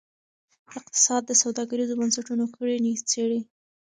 اقتصاد د سوداګریزو بنسټونو کړنې څیړي.